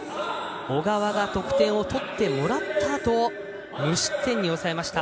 小川が得点を取ってもらったあと無失点に抑えました。